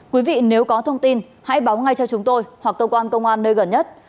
quý vị nếu có thông tin hãy báo ngay cho chúng tôi hoặc cơ quan công an nơi gần nhất